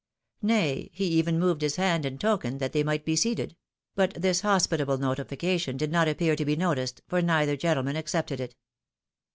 Nay, he even moved his hand in token that they might be seated ; but this hospitable notification did not appear to be noticed, for neither gentleman accepted it.